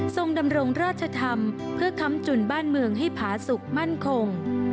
ดำรงราชธรรมเพื่อค้ำจุนบ้านเมืองให้ผาสุขมั่นคง